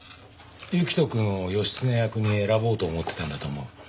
行人くんを義経役に選ぼうと思ってたんだと思う。